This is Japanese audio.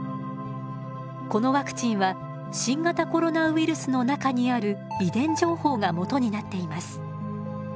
このワクチンは新型コロナウイルスの中にある遺伝情報がもとになっています。